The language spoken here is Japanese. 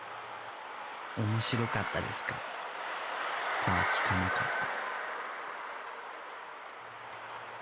「面白かったですか？」とは聞かなかった